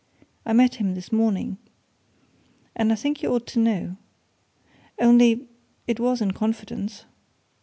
"I met him this morning. And I think you ought to know. Only it was in confidence."